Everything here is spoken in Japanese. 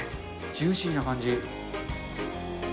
ジューシーな感じ。